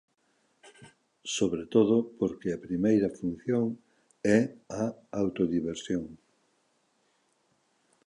Sobre todo porque a primeira función é a autodiversión.